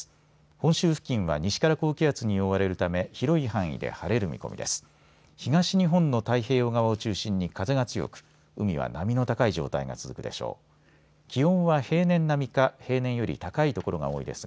本州付近は西から高気圧に覆われるため広い範囲で晴れる見込みです。